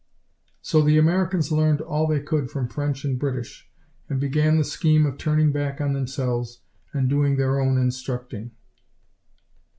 So the Americans learned all they could from French and British, and began the scheme of turning back on themselves, and doing their own instructing.